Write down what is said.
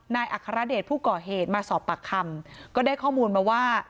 อัครเดชผู้ก่อเหตุมาสอบปากคำก็ได้ข้อมูลมาว่า